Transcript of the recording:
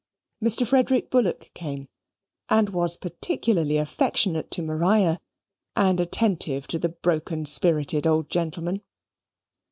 Mr. Frederick Bullock came, and was particularly affectionate to Maria, and attentive to the broken spirited old gentleman.